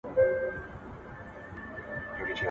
پر دې سیمه نوبهاره چي رانه سې .